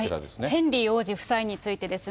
ヘンリー王子夫妻についてです。